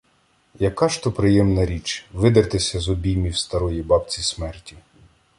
Яка ж то приємна річ — видертися з обіймів старої бабці- смерті.